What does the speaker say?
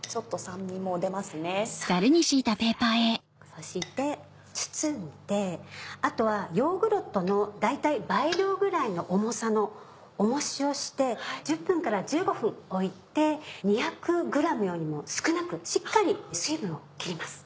そして包んであとはヨーグルトの大体倍量ぐらいの重さの重石をして１０分から１５分置いて２００ｇよりも少なくしっかり水分を切ります。